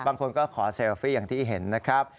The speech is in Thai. บางคนก็ขอเซลฟี่อย่างที่เห็นนะครับ